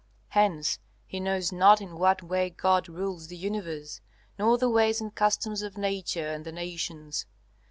Hence he knows not in what way God rules the universe, nor the ways and customs of nature and the nations.